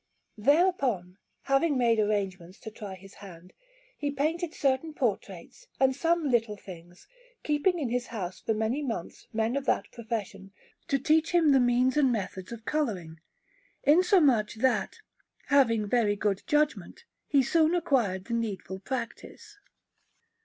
Thereupon, having made arrangements to try his hand, he painted certain portraits and some little things, keeping in his house for many months men of that profession to teach him the means and methods of colouring, insomuch that, having very good judgment, he soon acquired the needful practice.